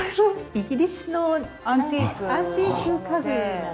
イギリスのアンティークのもので。